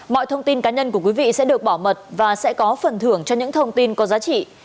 mọi thông tin cá nhân của quý vị sẽ được bảo mật và sẽ có phần thưởng cho những thông tin có giá trị